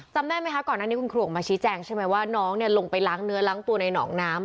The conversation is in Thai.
จำได้ไหมคะก่อนหน้านี้คุณครูออกมาชี้แจงใช่ไหมว่าน้องลงไปล้างเนื้อล้างตัวในหนองน้ำ